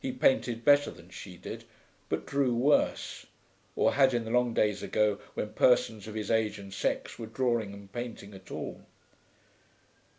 He painted better than she did, but drew worse or had, in the long ago days when persons of his age and sex were drawing and painting at all.